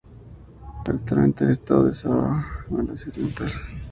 Actualmente, es el estado de Sabah en Malasia Oriental.